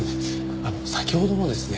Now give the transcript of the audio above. あの先ほどのですね